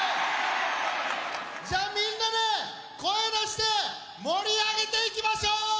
じゃあみんなで声出して盛り上げていきましょう！